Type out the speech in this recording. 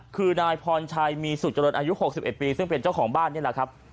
คือนายพรชัยมีสุจริตอายุ๖๑ปีซึ่งเป็นเจ้าของบ้านนี่แหละครับ